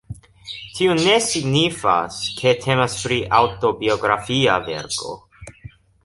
Tio ne signifas, ke temas pri aŭtobiografia verko.